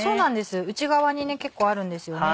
内側に結構あるんですよね。